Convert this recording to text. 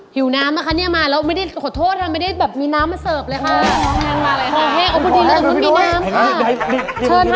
หิวน้ำป่ะคะเนี่ยมาแล้วไม่ได้ขอโทษค่ะไม่ได้แบบมีน้ำมาเสิร์ฟเลยค่ะ